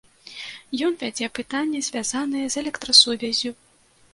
Ён вядзе пытанні, звязаныя з электрасувяззю.